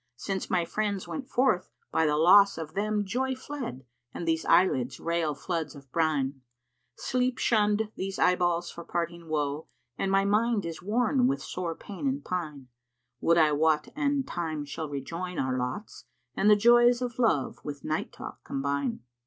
Since my friends went forth, by the loss of them * Joy fled and these eyelids rail floods of brine: Sleep shunned these eyeballs for parting woe * And my mind is worn with sore pain and pine: Would I wot an Time shall rejoin our lots * And the joys of love with night talk combine."